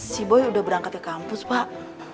si boy udah berangkat ke kampus pak